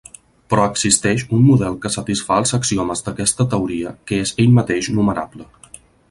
Però existeix un model que satisfà els axiomes d'aquesta teoria que és ell mateix numerable.